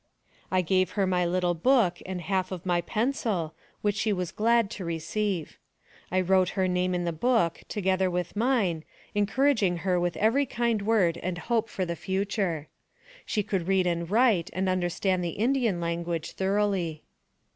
I gave her my little book and half of my pencil, which she was glad to receive. I wrote her name in the book, together with mine, encouraging her with every kind word and hope of the future. She could read and write, and understood the Indian language thoroughly.